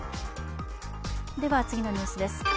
では、次のニュースです。